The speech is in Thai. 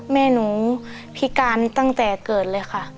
แม่หนูพิการตั้งแต่เกิดเลยค่ะ